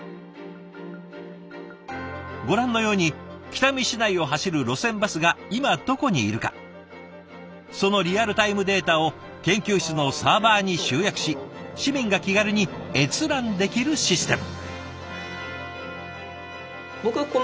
ご覧のように北見市内を走る路線バスが今どこにいるかそのリアルタイムデータを研究室のサーバーに集約し市民が気軽に閲覧できるシステム。